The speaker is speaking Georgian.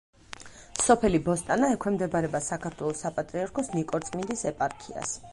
სოფელი ბოსტანა ექვემდებარება საქართველოს საპატრიარქოს ნიკორწმინდის ეპარქიას.